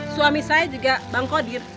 suami saya juga bang kodir